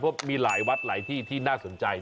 เพราะมีหลายวัดหลายที่ที่น่าสนใจ